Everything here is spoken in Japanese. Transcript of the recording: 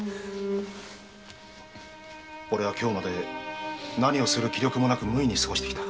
おれは今日まで何をする気力もなく無為に過ごしてきた。